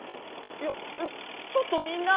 いやえっちょっとみんな！